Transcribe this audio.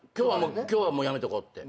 今日はもうやめとこうって。